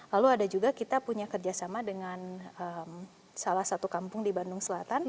lalu ada juga kita punya kerjasama dengan salah satu kampung di bandung selatan